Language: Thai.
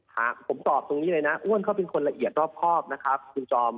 หากผมตอบตรงนี้เลยนะอ้วนเขาเป็นคนละเอียดรอบครอบนะครับคุณจอม